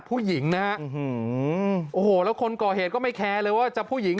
ผู้หญิงนะฮะโอ้โหแล้วคนก่อเหตุก็ไม่แคร์เลยว่าจะผู้หญิง